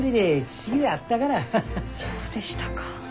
そうでしたか。